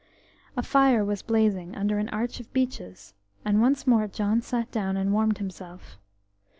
A fire was blazing under an arch of beeches, and once more John sat down and warmed himself.